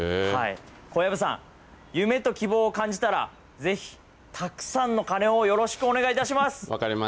小籔さん、夢と希望を感じたらぜひたくさんの鐘をよろしくお願いいたします。